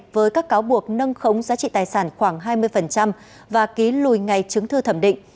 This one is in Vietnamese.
với các cáo buộc nâng khống giá trị tài sản khoảng hai mươi và ký lùi ngay chứng thư thẩm định